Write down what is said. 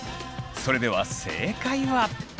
それでは正解は。